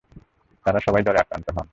তাঁরা সবাই জ্বরে আক্রান্ত হন।